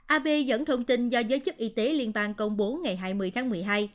ab dẫn thông tin do giới chức y tế liên bang công bố ngày hai mươi tháng một mươi hai